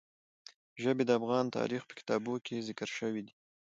ژبې د افغان تاریخ په کتابونو کې ذکر شوي دي.